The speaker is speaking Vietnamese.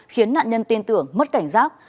khiến nạn nhân tin tưởng mất cảnh giác